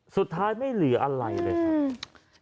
สุดท้ายไม่เหลืออะไรเลยครับ